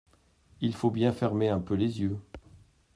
Il faut bien fermer un peu les yeux.